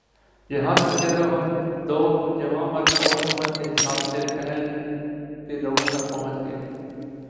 یہاں تک کہہ ہم دو جواںمرد اوسط عمر کے حساب سے پہل لے لوگ تک پہنچ گئے